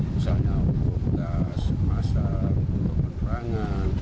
misalnya untuk gas masak untuk penerangan